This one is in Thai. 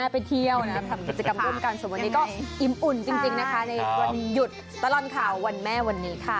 ส่วนวันนี้ก็อิ้มอุ่นจริงในวันหยุดตลัดข่าววันแม่วันนี้ค่ะ